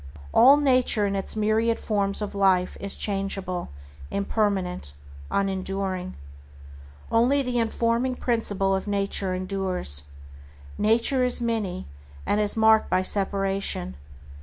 All nature in its myriad forms of life is changeable, impermanent, unenduring. Only the informing Principle of nature endures. Nature is many, and is marked by separation.